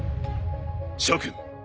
諸君。